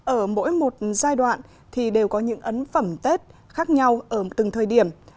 ở mỗi một giai đoạn thì đều có những ấn phẩm tết khác nhau ở từng thời điểm